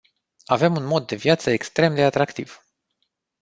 Avem un mod de viață extrem de atractiv.